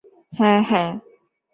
হ্যাঁ, হ্যাঁ।